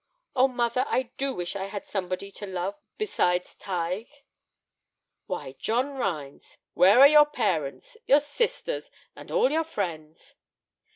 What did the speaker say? O, mother, I do wish I had somebody to love besides Tige." "Why, John Rhines, where are your parents, your sisters, and all your friends?"